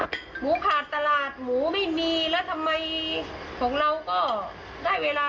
ที่พูดไปเนอะไม่ได้อยากให้เป็นข่าวอ่ะ